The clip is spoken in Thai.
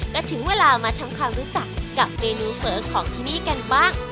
ก็ถึงเวลามาทำความรู้จักกับเมนูเฟ้อของที่นี่กันบ้าง